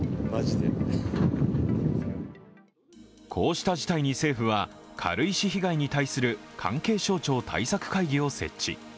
こうした事態に政府は軽石被害に関する関係省庁対策会議を設置。